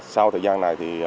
sau thời gian này thì